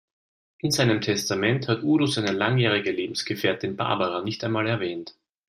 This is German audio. In seinem Testament hat Udo seine langjährige Lebensgefährtin Barbara nicht einmal erwähnt.